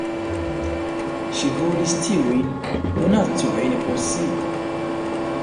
Ŝi volis tiujn donacojn por si.